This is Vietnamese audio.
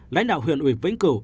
lãnh đạo huyện uyển vĩnh cửu